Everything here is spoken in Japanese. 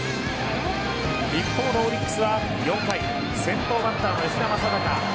一方のオリックスは４回先頭バッターの吉田正尚。